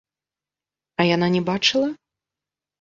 А яна не бачыла?